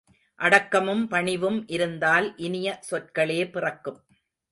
அடக்கமும் பணிவும் இருந்தால் இனிய சொற்களே பிறக்கும்.